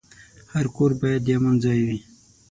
هر کور باید د امن ځای وي.